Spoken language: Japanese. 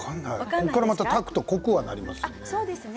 ここからまた炊くと濃くはなりますよね。